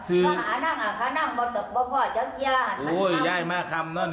อูยยายมากขัมนะ